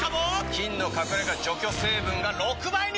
菌の隠れ家除去成分が６倍に！